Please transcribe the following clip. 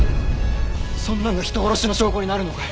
そんなの人殺しの証拠になるのかよ！